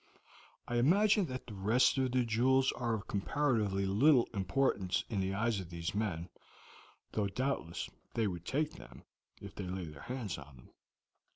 I imagine that the rest of the jewels are of comparatively little importance in the eyes of these men, though doubtless they would take them also if they lay their hands on them.